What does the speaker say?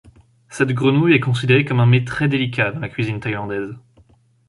Cette grenouille est considérée comme un mets très délicat dans la cuisine thaïlandaise.